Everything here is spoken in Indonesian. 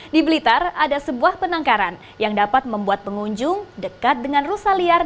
di blitar ada sebuah penangkaran yang dapat membuat pengunjung dekat dengan rusa liar